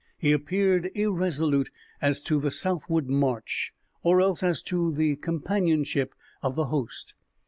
He appeared irresolute as to the southward march or else as to the companionship of the host.